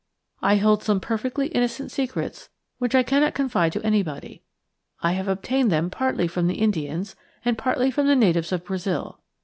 I hold some perfectly innocent secrets which I cannot confide to anybody. I have obtained them partly from the Indians and partly from the natives of Brazil.